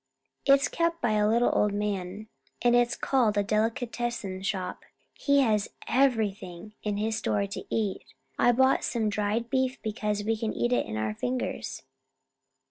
It's kept by a little old man, and it's called a Delicatessen Shop. He has everything in his store to eat. I bought some dried beef because we can eat it in our fingers.